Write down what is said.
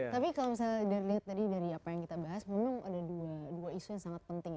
tapi kalau misalnya lihat tadi dari apa yang kita bahas memang ada dua isu yang sangat penting